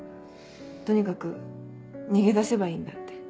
とにかく逃げ出せばいいんだって。